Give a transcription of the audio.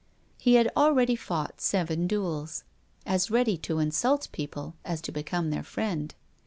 He had already fought seven duels, as ready to insult people as to become their friend.